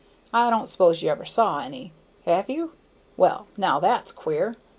I don't suppose you ever saw any. Have you? Well, now, that's queer!